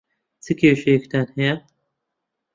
چ کێشەیەکتان هەیە؟